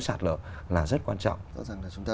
sạt lở là rất quan trọng rõ ràng là chúng ta